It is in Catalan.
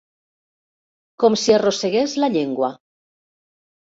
Com si arrossegués la llengua.